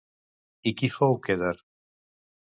I qui fou Quedar?